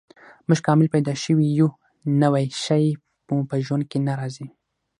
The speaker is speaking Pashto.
موږ کامل پیدا شوي یو، نوی شی مو په ژوند کې نه راځي.